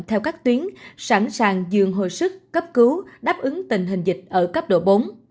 theo các tuyến sẵn sàng giường hồi sức cấp cứu đáp ứng tình hình dịch ở cấp độ bốn